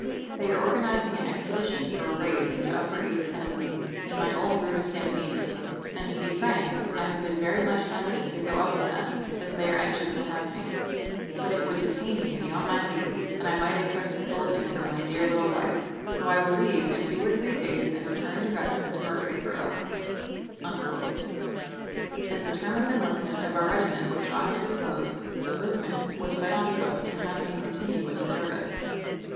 "They are organizing an expedition for a raid into upper East Tennessee, in my old route of campaigning, and, to be frank, I have been very much tempted to go up with them, as they are anxious to have me. But it would detain me beyond my leave, and I might expect a scolding from my dear little wife. So I will leave in two or three days and return direct to Murfreesboro." As the term of enlistment of our regiment was drawing to a close, a movement was set on foot to have me continue in the service.